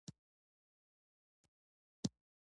احمد د علي له لاسه ورځ نه لري.